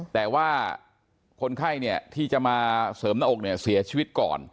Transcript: แต่ว่าคนไข้เนี่ยที่จะมาเสริมหน้าอกเนี่ยเสียชีวิตก่อน